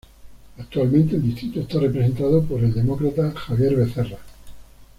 Actualmente el distrito está representado por el Demócrata Xavier Becerra.